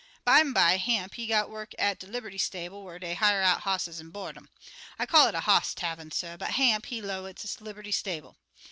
Bimeby, Hamp he got work at de liberty stable, whar dey hire out hosses an' board um. I call it a hoss tavern, suh, but Hamp, he 'low it's a liberty stable.